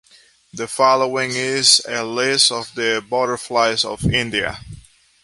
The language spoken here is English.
The following is a list of the butterflies of India.